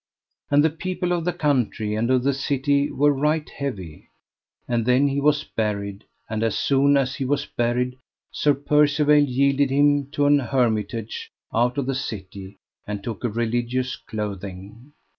And the people of the country and of the city were right heavy. And then he was buried; and as soon as he was buried Sir Percivale yielded him to an hermitage out of the city, and took a religious clothing.